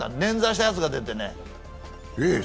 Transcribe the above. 捻挫したやつが出てね。